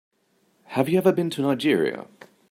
Have you ever been to Nigeria?